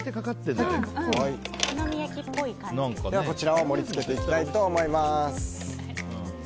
こちらを盛り付けていきたいと思います。